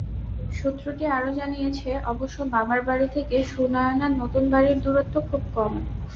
সূত্রটি আরও জানিয়েছে, অবশ্য বাবার বাড়ি থেকে সুনয়নার নতুন বাড়ির দূরত্ব খুব কম।